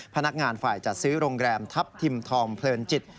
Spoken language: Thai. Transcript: พนักงานฝ่ายจัดซื้อโรงแรมทัพทิมทองเพลินจิต